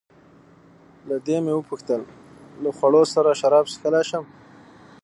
له دې مې وپوښتل: له خوړو سره شراب څښلای شم؟